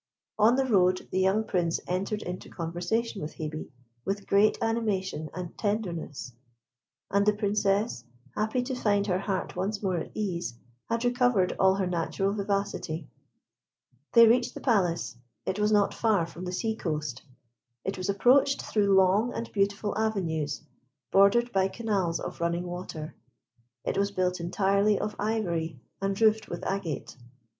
On the road, the young Prince entered into conversation with Hebe, with great animation and tenderness; and the Princess, happy to find her heart once more at ease, had recovered all her natural vivacity. They reached the palace; it was not far from the sea coast. It was approached through long and beautiful avenues, bordered by canals of running water. It was built entirely of ivory and roofed with agate.